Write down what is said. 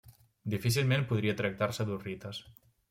Difícilment podria tractar-se d'hurrites.